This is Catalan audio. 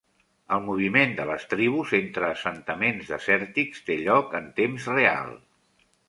El moviment de les tribus entre assentaments desèrtics té lloc en temps real.